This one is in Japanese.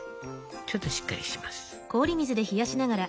ちょっとしっかりします。